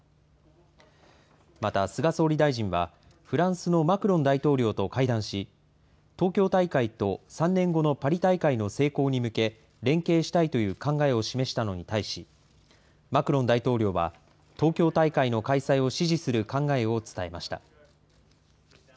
また、菅総理大臣はフランスのマクロン大統領と会談し、東京大会と３年後のパリ大会の成功に向け、連携したいという考えを示したのに対し、マクロン大統領は、東京大会の開催を支持する考えを伝えました。